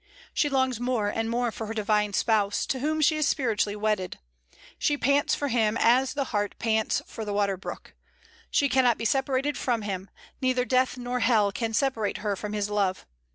She longs more and more for her divine Spouse, to whom she is spiritually wedded. She pants for Him as the hart pants for the water brook. She cannot be separated from Him; neither death nor hell can separate her from His love.